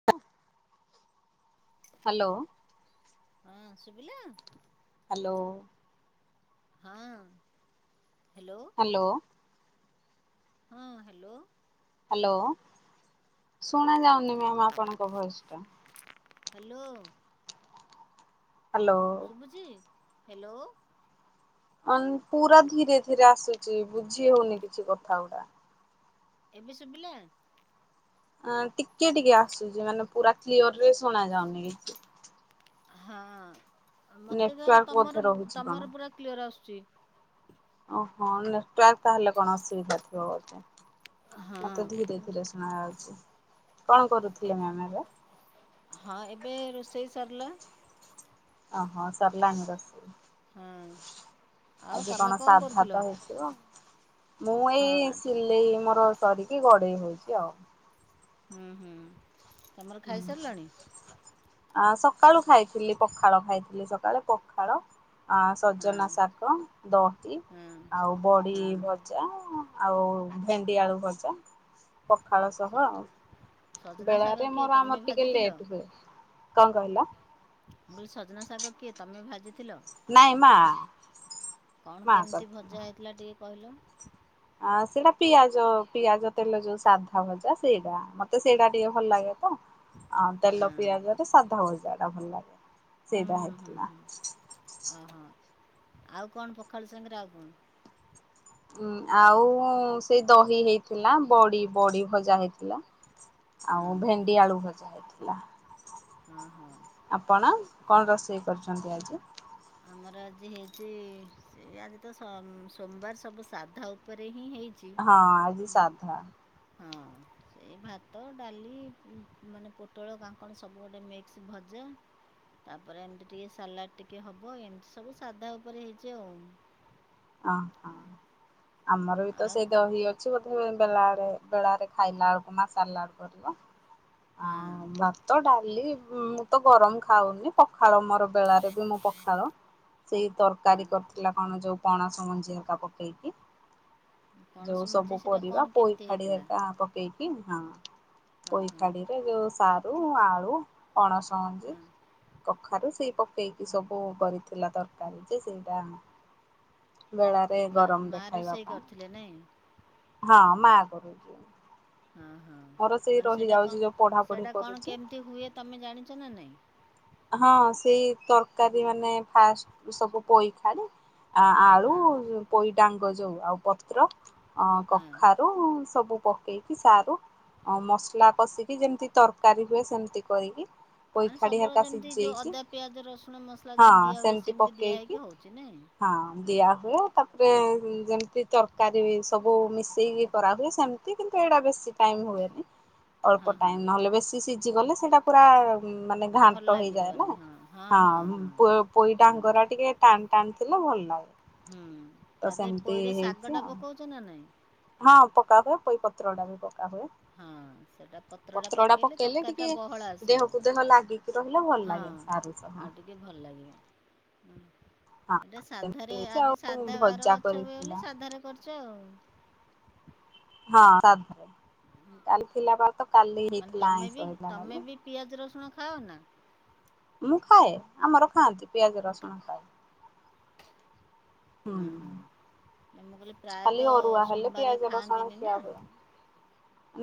[unintelligible] Hello. ହଁ ସୁବିଲା। Hello. ହଁ ହାଲୋ। ହାଲୋ। ହଁ ହାଲୋ। ହାଲୋ ଶୁଣା ଯାଉନି ମ୍ୟାମ୍ ଆପଣଙ୍କ ଭଏସ ଟା। ହାଲୋ। ହାଲୋ। ବୁଜି ହେଲୋ। ଅନ୍ ପୁରା ଧୀରେ ଧୀରେ ଆସୁଚି ବୁଝି ହଉନି କିଛି କଥା ଗୁଡା। ଏବେ ଶୁବିଲା। ଆଁ ଟିକେ ଟିକେ ଆସୁଛି ମାନେ ପୁରା କ୍ଲିଅରରେ ଶୁଣା ଯାଉନି କିଛି। ହଁ ମୋତେ ତ ତମର ତମର ପୁରା କ୍ଲିଅର ଆସୁଚି। ଓହୋ ନେଟୱାର୍କ ତାହେଲେ କଣ ଅସୁବିଧା ଥିବ ବୋଧେ। ମତେ ଧୀରେ ଧୀରେ ଶୁଣା ଯାଉଛି, କଣ କରୁଥିଲେ ମ୍ୟାମ ଏବେ? ହଁ ଏବେ ରୋଷେଇ ସରିଲା। ଓ ହୋ ସରିଲାଣି ରୋଷେଇ। ହଁ। ଆଜି କଣ ସାଧା ତ ହେଇଥିବ ମୁଁ ଏଇ ସିଲେଇ ମୋର ସରିକି ଗଡେଇ ହଉଚି ଆଉ। ହୁଁ ହୁଁ। [inaudible] ଆ ସକାଳୁ ଖାଇଥିଲି ପଖାଳ ଖାଇଥିଲି ସକାଳୁ ପଖାଳ। ଆ ସଜନା ଶାଗ, ଦହି ଆଉ ବଡି ଭ ଭଜା ଆଉ ଭେଣ୍ଡି ଆଳୁ ଭଜା। ପଖାଳ ସହ ଆଉ ବେଳା ମୋର ଆମର ଟିକେ ଲେଟ ହୁଏ, କଣ କହିଲ? ମୁଁ କହିଲି ସଜନା ଶାଗ କିଏ ତମେ ଭାଜିଥିଲ? କଣ କେମିତି ଭଜା ହେଇଥିଲା ଟିକେ କହିଲ? ଆ ସେଇଟା ପିଆଜ ପିଆଜ ତେଲ ଯୋଉ ସାଧା ଭଜା ସେଇଟା ମତେ ସେଇଟା ଟିକେ ଭଲ ଲାଗେ। ତ ଆଉ ତେଲ ପିଆଜରେ ସାଧା ଭଜା ଟା ଭଲ ଲାଗେ ସେଇଟା ହେଇଥିଲା। ଓହୋ ଆଉ କଣ ପଖାଳ ସାଙ୍ଗରେ ଆଉ କଣ? ଉଁ ଆଉ ସେଇ ଦହି ହେଇଥିଲା ବଡି ବଡି ଭଜା ହେଇଥିଲା। ଆଉ ଭେଣ୍ଡି ଆଳୁ ଭଜା ହେଇଥିଲା। ହଁ ହଁ। ଆପଣ କଣ ରୋଷେଇ କରୁଛନ୍ତି ଆଜି? ଆମର ଆଜି ହେଇଚି ସେ ଆଜି ତ ସମ୍ ସୋମବାର ସବୁ ସାଧା ଉପରେ ହିଁ ହେଇ ଛି ହୁଁ। [inaudible] ସେଇ ଭାତ ଡାଲି ମାନେ ପୋଟଳ କାଙ୍କଣ ସବୁ ଗୋଟେ ମିକ୍ସ ଭଜା। ତାପରେ ଏମିତି ଟିକେ ସାଲାଡ ଟିକେ ହବ ଏମିତି ସବୁ ସାଧା ଉପରେ ହେଇଚି ଆଉ। ଓହୋ ଆମର ବି ତ ସେଇ ଦହି ଅ ଅଛି ବଧେ ବେଲାରେ ବେଳାରେ ଖାଇଲା ବୁଳୁକୁ ମା ସାଲାଡ଼ କରିବ। ହଁ। ଭାତ ଡାଲି ମୁଁ ତ ଗରମ ଖାଉନି ପଖାଳ ମୋର ବେଳାରେ ବି ମୁଁ ପଖାଳ ସେଇ ତରକାରୀ କରିଥିଲା କଣ ଯୋଉ ପଣସ ମଞ୍ଜି ହେରିକା ପକେଇକି। ଯୋଉ ସବୁ ପରିବା ପୋଇ ଖାଡି ହେକା ପକ କେଇକି ହଁ ପୋଇ ଖାଡିରେ ଯୋଉ ସାରୁ, ଆଳୁ ପଣସ ମଞ୍ଜି। କଖାରୁ ସେଇ ପକେଇକି ସବୁ କରିଥିଲା ତରକାରୀ ଯେ ସେଇଟା କିଏ ମା ମା ରୋଷେଇ କରିଥିଲେ ନାଇଁ? ହଁ ମା କରୁଛି। ହଁ ହଁ ମାନେ ସେଇଟା କଣ ସେଇଟା କଣ କେମିତି ହୁଏ ତମେ ଜାଣିଛ ନା ନାଇଁ? ହଁ ସେଇ ତରକାରୀ ମାନେ ଫାଷ୍ଟ ସବୁ ପୋଇ ଖାଡି ଆ ଆଳୁ ପୋଇ ଡାଙ୍ଗ ଯୋଉ ଆଉ ପତ୍ର ଅ କଖାରୁ ରୁ ସବୁ ପକେଇକି ସାରୁ ଆ ମସଲା କଷିକି ଯେମିତି ତରକାରୀ ହୁଏ ସେମତି କରିକି ପୋଇ ଖାଡି ଯେମିତି ଯୋଉ ଅଦା ପିଆଜ ରସୁଣ ମସଲା ଯେମିତି ଦିଆ ହୁଏ ସେମିତି ଦିଆହେଇକି ହଉଛି ନାଇଁ? ହଁ ଦିଆହୁଏ ତାପରେ ଯେମିତି ତରକାରୀ ସବୁ ମିଶେଇକି କରାହୁଏ ସେମତି। କିନ୍ତୁ ଏଇଟା ବେଶୀ ଟାଇମ୍ ହୁଏନି। ଅଳ୍ପ ଟାଇମ୍ ନହେଲେ ବେଶୀ ସିଝି ଗଲେ ସେଇଟା ପୁରା ମାନେ ଘା ଯାଏ ନା ପ ପୋଇ ଡାଙ୍ଗରା ଟିକେ ଟାଣ ଟାଣ ଥିଲେ ଭଲ ଲାଗେ। ହୁଁ ତା ଦେହରେ ପୋଇରେ ଶାଗ ଟା ପକଉଛ ନା ନାଇଁ? ହଁ ପକା ହୁଏ ପଇ ପତ୍ର ଟା ବି ପକା ହୁଏ। ପତ୍ର ଟା ପକେଇଲେ ଟିକେ ଦେହକୁ ଦେହ ଲାଗି ରହିଲେ ଭଲ ଲାଗେ ସାରୁ ସହ। ଆଉ ଟିକେ ଭଲ ଲାଗିବ। ଏଇଟା ସାଧାରେ ଆଜି ସାଧା ବାର ଅଛ ବୋଲି ସାଧାରେ କରୁଛ ଆଉ। ହଁ ସାଧାରେ କାଲି ଥିଲାବାତ କାଲି ହେଇଥିଲା ଆଇଁଷ ହେଇଥିଲା। ପିଆଜ ରସୁଣ ଖାଅ ନା? ମୁଁ ଖାଏ ଆମର ଖାଆନ୍ତି ପିଆଜ ରସୁଣ ଖାଏ। ହୁଁ ହୁଁ। ମୁଁ କହିଲି ପ୍ରାୟତଃ ସୋମବାର ଖାଆନ୍ତିନି ନା।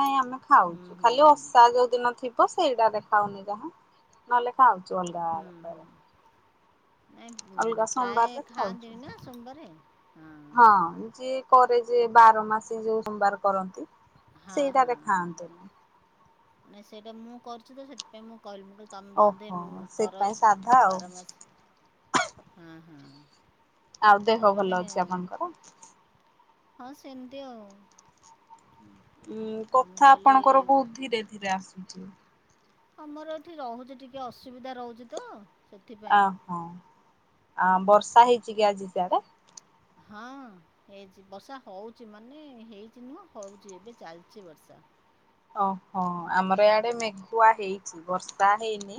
ନାଇଁ ଆମେ ଖାଉଛୁ ଖାଲି ଓଷା ଯୋଉଦିନ ଥ ତ ସେଇଟା ଦେଖାଉନି ଯାହା ନହେଲେଖା ହୁଁ ହୁଁ। ନାଇଁ ପ୍ରାୟ ଖାଆନ୍ତିନି ନା ସୋମବାରେ ହଁ। ହଁ ଯିଏ କରେ ଯେ ବାର ମାସି ଯୋଉ ସୋମବାର କରନ୍ତି ସେଇଟାରେ ଖାଆନ୍ତନି। ନାଇଁ ସେଇଟା ମୁଁ କରୁଛି ତ ସେଥିପାଇଁ ମୁଁ କ ତମ୍ବ ବୋଧେ କର ବାର ମାସି ହଁ ହଁ। ଆଉ ଦେହ ଭଲ ଅଛି ଆପଣଙ୍କର? ହଁ ସେମିତି ଆଉ। ଉଁ କଥା ଆପଣଙ୍କର ବହୁତ ଧୀରେ ଧୀରେ ଆସୁଛି। ଆମର ଏଠି ରହୁଛି ଟିକେ ଅସୁବିଧା ରହୁଛି ତ ଆହୋ ଆ ବର୍ଷା ହେଇଛି କି ଆଜି ସିଇଆଡେ? ହଁ। ହେଇଛି ବର୍ଷା ହଉଛି ମାନେ ହେଇଛି ନୁହଁ ହଉଛି ଏବେ ଚାଲିଛି ବର୍ଷା। ଓହୋ ଆମର ଆଡେ ମେଘୁଆ ହେଇଛି ବର୍ଷା ହେଇନି।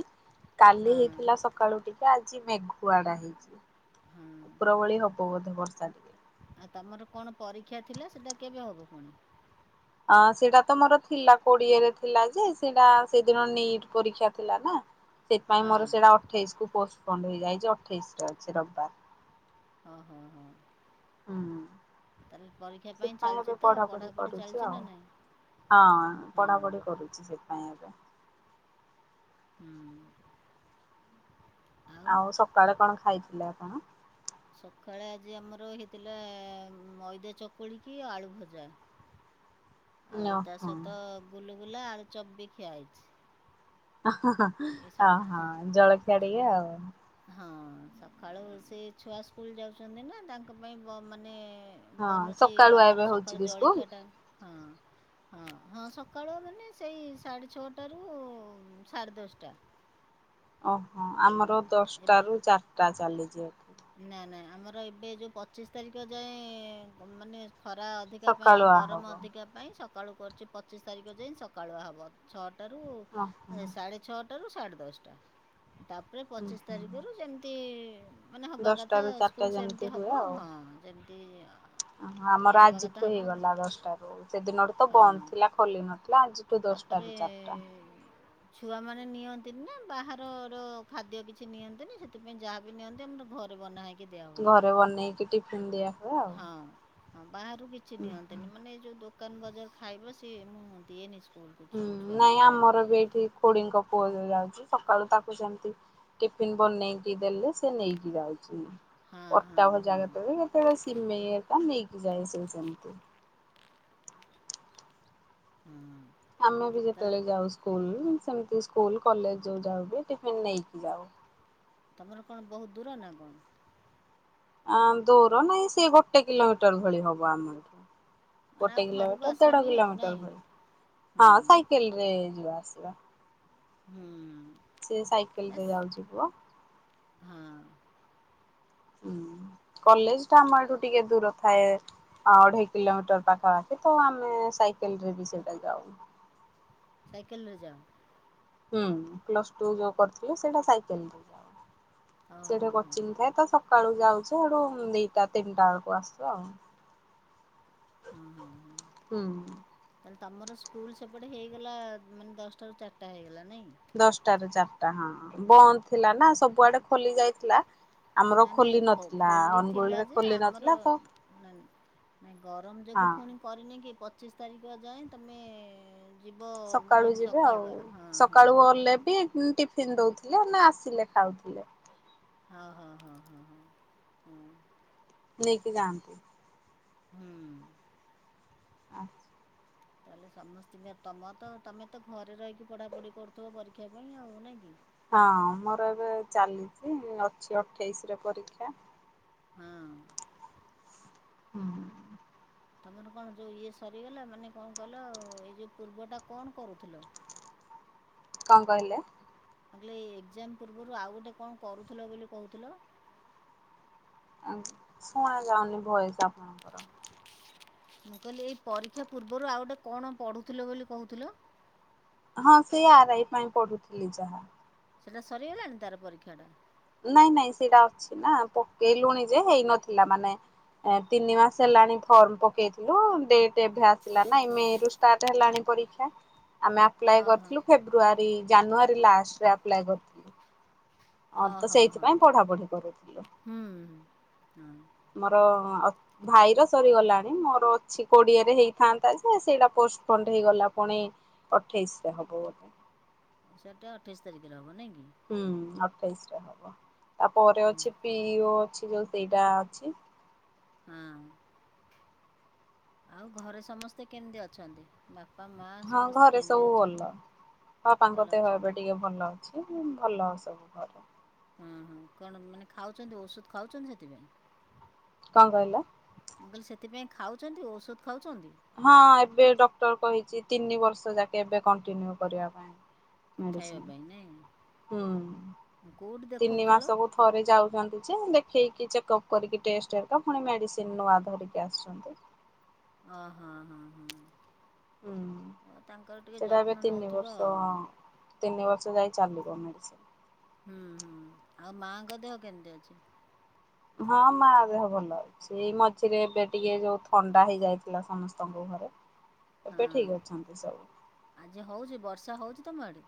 କାଲି ହେଇଥିଲା ସ ସକାଳୁ ଟିକେ ଆଜି ମେଘୁ ଆଟା ହେଇଛି ଉପର ଭଳି ହବ ବୋଧେ ବର୍ଷା ଟିକେ। ଆଉ ତମର କଣ ପରୀକ୍ଷା ଥିଲା ସେଇଟା କେବେ ହବ ପୁଣି? ଅ ସେଇଟା ତ ମୋର ଥିଲା କୋଡିଏରେ ଥିଲା ଯେ ସେଇଟା ସେଦିନ ନିଟ୍ ପରୀକ୍ଷା ଥିଲା ନା। ସେଥିପାଇଁ ମୋର ସେଇଟା ଅଠେଇଶ କୁ ପୋସ୍ ପ ଏଣ୍ଟ ହେଇଯାଇଛି ଅଠେଇଶିରେ ଅଛି ରବିବାର। ହଁ ହଁ ହଁ। ହୁଁ ସେଥିପାଇଁ ଏବେ ପଢାପଢି କରୁଛି ଆଉ। ହଁ ପଢାପଢି କରୁଛି ସେପାଇଁ ଏବେ। ହୁଁ। ଆଉ ସକାଳେ କଣ ଖାଇଥିଲେ ଆପଣ? ସକାଳେ ଆଜି ଆମର ହେଇଥିଲା ମଇଦା ଚକୁଳି କି ଆଳୁ ଭଜା। ଆଉ ତା ସହିତ ଗୁଲୁଗୁଲା ଆଳୁଚବ ବି ଖିଆ ହେଇଛି। ଅହୋ ଜଳଖିଆ ଟିକେ ଆଉ। ହଁ ସକାଳୁ ସେ ଛୁଆ ସ୍କୁଲ ଯାଉଚନ୍ତି ନା ତାଙ୍କ ବ ପାଇଁ ମାନେ ବନୁଚି ଆମର ସକାଳୁ ଜଳଖିଆଟା ହଁ। ହଁ ହଁ ସକାଳୁ ମାନେ ସେଇ ସାଢ଼େ ଛଅଟାରୁ ସାଢ଼େ ଦଶଟା। ଓହୋ ଆମର ଦଶଟା ରୁ ଚାରିଟା ଚାଲିଯି। ନା ନା ଆମର ଏବେ ଯଉ ପଚିଶ ତାରିଖ ଯାଏଁ ମାନେ ଖରା ଅଧିକା ପାଇଁ ଗରମ ଅଧିକା ପାଇଁ ସକାଳୁ କରୁଚି ପଚିଶ ତାରିଖ ଯାଇ ସକାଳୁଆ ହେବ ଛଅଟାରୁ ସାଢ଼େ ଛଅ ଆଟାରୁ ସାଢ଼େ ଦଶଟା ତାପରେ ପଚିଶ ତାରିଖରୁ ଯେମିତି ମାନେ ହେବା କଥା ସ୍କୁଲ ସେମିତି ହେବ ହଁ ଯେମିତି ଓହ ଆମ ଆଯିଠୁ ହେଇଗଲା ଦଶଟାରୁ। ସେଦିନ ରୁ ତ ବନ୍ଦ ଥିଲା ଖୋଲି ନଥିଲା ଆଜିଠୁ ଦଶଟା ରୁ ଚାରିଟା। ଛୁଆମାନେ ନିଅନ୍ତିନି ନା ବାହାରର ଖାଦ୍ୟ କିଛି ନିଅନ୍ତିନି ସେଥିପାଇଁ ଯାହା ବିି ନିଅନ୍ତି ଆମ ତମ ଘରେ ବନା ହେଇକି ଦିଆ ହୁଏ, ହଁ। ହଁ ବାହାରୁ କିଛି ନିଅନ୍ତିନି ମାନେ ଯୋଉ ଦୋକାନ ବଜାର ଖାଇବା ସିଏ ମୁଁ ଦିଏନି। ହୁଁ ନାଇଁ ଆମର ବି ଏଇଠି ଖୁଡିଙ୍କ ପୁଅ ଯୋଉ ଯାଉଚି ସକାଳୁ ତାକୁ ସେମିତି ଟିଫିନ ବନେଇକି ଦେଲେ ସେ ନେଇକି ଯାଉଚି। ପରଟା ଭଜା କେତେବେଳେ କେତେବେଳେ ସିମେଇ ହେରୀକା ନେଇକି ଯାଏ ସେ ସେମତି। ହୁଁ। ଆମେ ବି ଯେତେବେଳେ ଯାଉ ସ୍କୁଲ ସେମତି ସ୍କୁଲ କଲେଯ ଯାଉଚୁ ଟିଫିନ ନେଇକି ଯାଉ। ତମର କଣ ବହୁତ ଦୂର ନା କଣ? ଆ ଦୂର ନାଇଁ ସେ ଗୋଟେ କିଲୋମିଟର ଭଳି ହବ ଆମର ଗୋଟେ କିଲୋମିଟର ଦେଢ କିଲୋମିଟର ଭଳି ହଁ ସାଇକେଲ ରେ ଯିବା ଆସିବା। ହୁଁ। ସେ ସାଇକେଲ ରେ ଯାଉଚି ପୁଅ। କଲେଜ ଟା ଆମ ଆଡୁ ଟିକେ ଦୂର ଥାଏ। ଆଁ ଅଢେଇ କିଲୋମିଟର ପାଖାପାଖି ତ ଆମେ ସାଇକେଲରେ ବି ସେଇଟା ଜାଉ। ସାଇକେଲ ରେ ଯାଅ? ହୁଁ ପ୍ଲସ ଟୁ ଯୋଉ କରିିଥିଲୁ ସେଇଟା ସାଇକେଲରେ ଯାଉ। ସେଠି କୋଚିଙ୍ଗ ଥାଏ ତ ସକାଳୁ ଯାଉଯେ ଆଡୁ ଦିଟା ତିନିଟା ବେଳକୁ ଆସୁ ଆଉ। ହୁଁ। ତାେହାଲେ ତମର ସ୍କୁଲ ସେପଟେ ହେଇଗଲା ମାନେ ଦଶଟାରୁ ଚାରିଟା ହେଇଗଲା ନାଇଁ। ଦଶତ ରୁ ଚାରିଟା ହଁ ବନ୍ଦ ଥିଲା ନା ସବୁଆଡେ ଖୋଲି ଯାଇଥିଲା। ନାଇ ନାଇଁ ଖୋଲିଥିଲା ଯେ, ଆମର ନାଁ ନାଇ ଗରମ ଯୋଗୁ ଫୁଣି କରିନି କି ପଚିଶ ତାରିଖ ଯାଏଁ ତମେ ସକାଳୁ ଯିବେ ଆଉ ସକାଳୁ ଗଲେ ବି ହୁଁ ଟିଫିିନ ଦଉଥିଲେ ନା ଆସିଲେ ଖାଉଥିଲେ? ହଁ ହଁ ହଁ ହଁ ହଁ। ନେଇକି ଯାଆନ୍ତି। ହୁଁ। ତାହେଲେ ସମସ୍ତିଙ୍କ ତମ ତ ତମେ ତ ଘରେ ରହିକି ପଢ଼ାପଢ଼ି କରୁଥିବ ପରୀକ୍ଷା ପାଇଁ ଆଉ ନାଇଁ କି? ହଁ ଆମର ଏବେ ଚାଲିଚି ଅଛି ଅଠେଇଶି ରେ ପରୀକ୍ଷା। ହୁଁ। ହୁଁ ହ, ତମର କଣ ଯୋଉ ଇଏ ସରିଗଲା ମାନେ କଣ କହିଲ ଏଇ ଯୋଉ ପୂର୍ବଟା କଣ କରୁଥିଲ? କଣ କହିଲେ? ମୁଁ କଲି ଏକ୍ଜାମ ପୂର୍ବରୁ ଆଉ ଗୋଟେ କଣ କରୁଥିଲ ବୋଲି କହୁଥିଲ? ଶୁଣା ଯାଉନି ଭଏସ୍ ଆପଣଙ୍କର। ମୁଁ କହିଲି ଏଇ ପରୀକ୍ଷା ପୂର୍ବରୁ ଆଉ ଗୋଟେ କଣ ପଢ଼ୁଥିଲ ବୋଲି କହୁଥିଲ? ହଁ ସେଇ ଆ-ରା-ଇ ପାଇଁ ପଢୁଥିଲି ଯାହା। ସେଟା ସରିଗଲାଣି ତାର ପରୀକ୍ଷାଟା? ନାଇଁ ନାଇଁ ସେଇଟା ଅଛି ନା ପକେଇଲୁଣି ଯେ ହେଇନଥିଲା ମାନେ ତିନି ମାସ ହେଲାଣି ଫର୍ମ ପକେଇଥିଲୁ ଡେ ଏବେ ଆସିଲା ନା ମେ ରୁ ଷ୍ଟାର୍ଟ ହେଲାଣି ପରୀକ୍ଷା ଆମେ ଆପ୍ଲାଏ କରିଥିଲୁ ଫେ ଫେବ୍ରୁଆରୀ ଜାନୁଆରୀ ଲାଷ୍ଟରେ ଆପ୍ଲାଏ କରିଥିଲୁ। ହଁ ତ ସେଇଥିପାଇଁ ପଢାପଢି କରୁଥିଲୁ। ହୁଁଁ ହୁଁ। ମୋର ଅ ଭାଇବା ସରିଗଲାଣି ମୋର ଅଛି କୋଡିଏରେ ହେଇଥାନ୍ତା ଯେ ସେଇଟା ପୋଷ୍ଟ ହେଇଗଲା ଫୁଣି ପଠେଇଛି ତମକୁ ଗୋଟେ ସେଟା ଅଠେଇଶ ତାରିଖରେ ହେବ ନାଇଁ କି? ହୁଁ ଅଠେଇଶରେ ହବ ତାପରେ ଅଛି ପି-ଇ-ଓ ଅଛି ଯୋଉ ସେଇଟା ଅଛି। ହଁ। ଆଉ ଘରେ ସମସ୍ତେ କେମିତି ଅଛନ୍ତି? ବାପା ମା ହଁ ଘରେ ସବୁ ଭଲ ବାପାଙ୍କ ଦେହ ଏବେ ଟିକେ ଭଲ ଅଛି ଭଲ ସବୁ ଘରେ। ହଁ ହଁ କଣ ମାନେ ଖାଉଛନ୍ତି ଔଷଧ ଖାଉଛନ୍ତି ସେଥିପାଇଁ? କଣ କହିଲ? ମୁଁ କହିଲି ସେଥିପାଇଁ ଖାଉଛନ୍ତି ଔଷଧ ଖାଉଛନ୍ତି? ହଁ ଏବେ ଡକ୍ଟର କହିଛି ତିନି ବର୍ଷ ଯାକେ ଏବେ କଣ୍ଟିନ୍ୟୁ କରିବା ପାଇଁ। ମେଡ଼ିସିନ୍ ତିନି ମାସକୁ ଥରେ ଯାଉଛନ୍ତି ଯେ ଦେଖେଇକି ଚେକଅପ୍ କରିକି ଟେଷ୍ଟର ପୁଣି ମେଡିସିନ ନୂଆ ଧରିକି ଆସୁଛନ୍ତି। ଅ ହଁ ହଁ ହଁଉ ତାଙ୍କର ଟିକେ ଯତ୍ନ ନେଉଥିବ ଆଉ। ତିନି ବର୍ଷ ଯାଏଁ ଚାଲିବ ମେଡିସିନ। ହୁଁ ହୁଁ ଆଉ ମାଆଙ୍କ ଦେହ କେମିତି ଅଛି? ହଁ ମା ଦେହ ଭଲ ଅଛି ଏଇ ମଝିରେ ଏବେ ଟିକେ ଯୋଉ ଥଣ୍ଡା ହେଇଯାଇଥିଲା ସମସ୍ତଙ୍କୁ ଭ ଏବେ ଠିକ ଅଛନ୍ତି ସବୁ। ଆଜି ହଉଛି ବର୍ଷା ହଉଛି ତମ ଆଡ଼େ?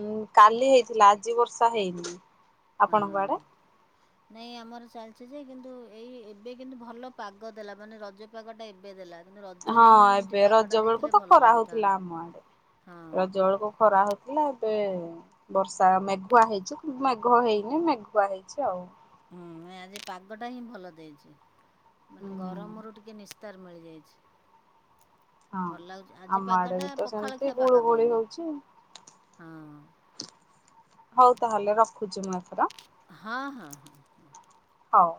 ଉଁ କାଲି ହେଇଥିଲା ଆଜି ବର୍ଷା ହେଇନି। ହଁ। ନାଇଁ ଆମର ଚାଲିଛି ଯେ କିନ୍ତୁ ଏଇ ଏବେ କିନ୍ତୁ ଭଲ ପାଗ ଦେଲା ମାନେ ରଜ ପାଗ ଟା ଏବେ ଦେଲା। ହଁ ଏବେ ରଜ ବେଳକୁ ତ ଖରା ହଉଥିଲା ଆମ ଆଡେ ରଜ ବେଳକୁ ଖରା ହଉଥିଲା। ହେଲା ଏବେ ବର୍ଷା ମେଘୁଆ ହେଇଛି ମେଘ ହେଇନି ମେଘୁଆ ହେଇଛି ଆଉ। ହୁଁ ଆଜି ପାଗଟା ହିଁ ଭଲ ଦେଇଛି ମାନେ ଗ ଗରମରୁ ଟିକିଏ ନିସ୍ତାର ମିଳିଯାଇଛି। ଭଲ ଲାଗୁଛି ଆଜି ପାଗଟା ପଖାଳଖିଆ ପାଗ ଦେଇନି ହଁ। ହଉ ତାହେଲେ ରଖୁଛି ମୁଁ ଏଥର। ହଁ ହଁ ହ। ହଉ।